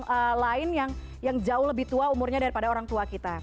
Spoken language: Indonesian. atau mungkin orang lain yang jauh lebih tua umurnya daripada orang tua kita